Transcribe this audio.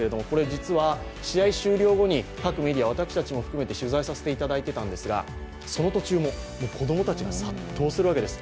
実は試合終了後に各メディア、私たちも含めて取材させていただいていたんですが、その途中も子供たちが殺到するわけです。